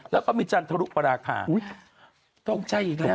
แล้วก็มีจันทรุปราคาตกใจอีกแล้ว